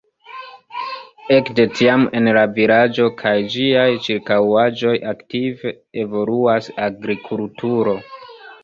Ekde tiam en la vilaĝo kaj ĝiaj ĉirkaŭaĵoj aktive evoluas agrikulturo.